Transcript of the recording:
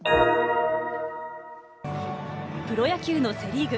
プロ野球のセ・リーグ。